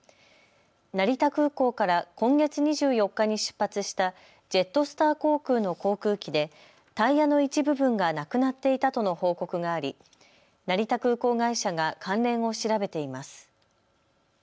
成田空港から今月２４日に出発したジェットスター航空の航空機でタイヤの一部分がなくなっていたとの報告があり成田空港会社が関連を調べています。